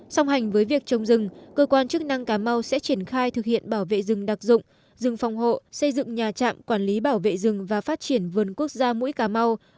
song hành với việc trồng rừng cơ quan chức năng cà mau sẽ triển khai thực hiện bảo vệ rừng đặc dụng rừng phòng hộ xây dựng nhà trạm quản lý bảo vệ rừng và phát triển vườn quốc gia mũi cà mau